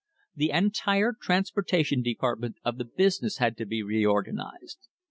The entire transportation department of the business had to be reorganised.